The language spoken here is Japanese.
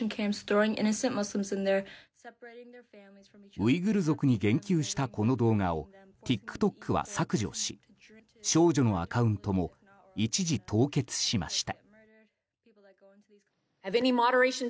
ウイグル族に言及したこの動画をＴｉｋＴｏｋは削除し少女のアカウントも一時凍結しました。